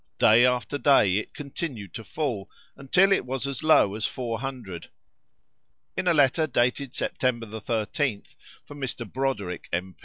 Day after day it continued to fall, until it was as low as four hundred. In a letter dated September 13th, from Mr. Broderick, M.